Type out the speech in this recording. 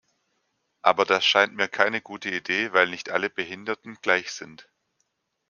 Aber das scheint mir keine gute Idee, weil nicht alle Behinderten gleich sind.